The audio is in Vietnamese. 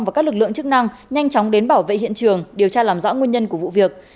và các lực lượng chức năng nhanh chóng đến bảo vệ hiện trường điều tra làm rõ nguyên nhân của vụ việc